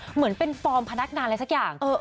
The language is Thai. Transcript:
เหมือนเป็นฟอร์มพนักงานอะไรสักอย่าง